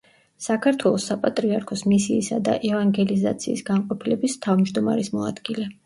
საქართველოს საპატრიარქოს მისიისა და ევანგელიზაციის განყოფილების თავმჯდომარის მოადგილე.